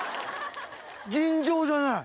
尋常じゃない。